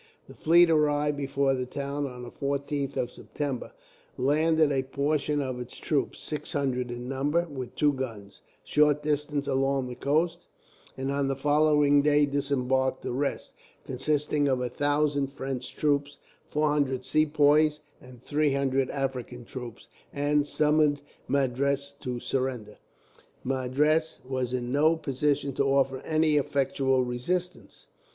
The fleet arrived before the town on the 14th of September; landed a portion of its troops, six hundred in number, with two guns, a short distance along the coast; and on the following day disembarked the rest, consisting of a thousand French troops, four hundred Sepoys, and three hundred African troops, and summoned Madras to surrender. "Madras was in no position to offer any effectual resistance.